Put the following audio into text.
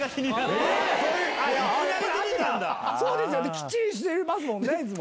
きっちりしてますもんね。